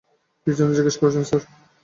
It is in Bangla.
কি জন্যে জিজ্ঞেস করছেন স্যার?